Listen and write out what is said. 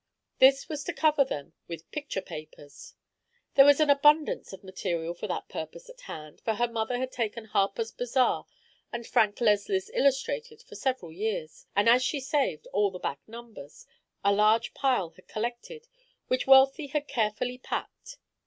This was to cover them with "picture papers." There was an abundance of material for the purpose at hand, for her mother had taken Harper's Bazar and Frank Leslie's Illustrated for several years; and as she saved all the back numbers, a large pile had collected, which Wealthy had carefully packed.